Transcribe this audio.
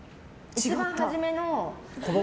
一番初めの。